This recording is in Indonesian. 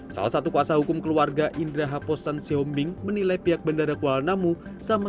salah satu kuasa hukum keluarga indra haposan seombing menilai pihak bandara kuala namu sama